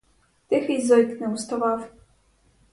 Тихий зойк не уставав.